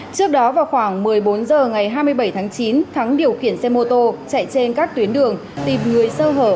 trước đó vào khoảng một mươi bốn h ngày hai mươi bảy tháng chín thắng điều khiển xe mô tô chạy trên các tuyến đường tìm người sơ hở